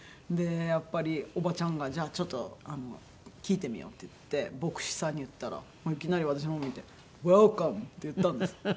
でやっぱりおばちゃんが「じゃあちょっと聞いてみよう」って言って牧師さんに言ったらいきなり私の方を見て「ウェルカム」って言ったんです。